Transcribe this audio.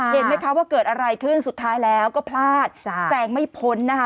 เห็นไหมคะว่าเกิดอะไรขึ้นสุดท้ายแล้วก็พลาดแซงไม่พ้นนะคะ